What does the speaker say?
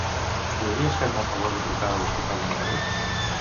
Podries fer-me el favor de trucar a l'Hospital de Mataró?